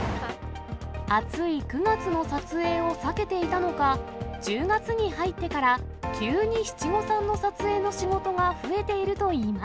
暑い９月の撮影を避けていたのか、１０月に入ってから急に七五三の撮影の仕事が増えているといいま